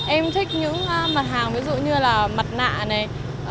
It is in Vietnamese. em thích những mặt hàng ví dụ như là mặt nạ này